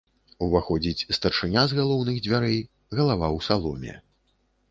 Уваходзіць старшыня з галоўных дзвярэй, галава ў саломе.